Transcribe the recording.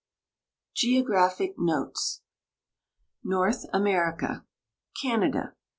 GEOGRAPHIC NOTES NORTH AMERICA Canada.